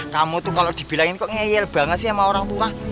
kamu tuh kalau dibilangin kok ngeyel banget sih sama orang tua